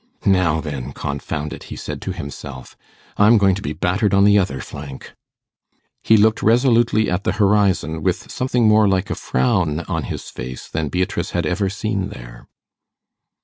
'Now then, confound it,' he said to himself, 'I'm going to be battered on the other flank.' He looked resolutely at the horizon, with something more like a frown on his face than Beatrice had ever seen there.